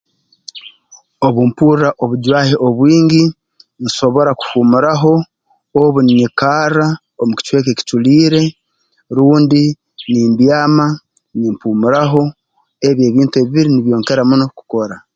Obu mpurra obujwahi obwingi nsobora kuhuumuraho obu ninyikarra omu kicweka ekiculiire rundi nimbyama nimpuumuraho ebi ebintu ebibiri nibyo nkira muno kukora